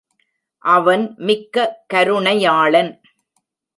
அவன் மிக்க கருணையாளன்.